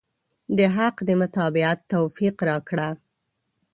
د حق د متابعت توفيق راکړه.